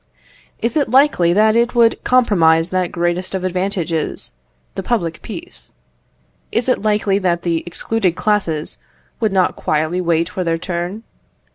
Is it likely that it would compromise that greatest of advantages, the public peace? Is it likely that the excluded classes would not quietly wait for their turn?